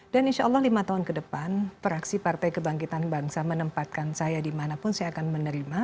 dan insya allah lima tahun ke depan peraksi partai kebangkitan bangsa menempatkan saya dimanapun saya akan menerima